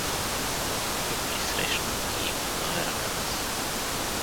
Войникът я присрещна и й подаде ръката си.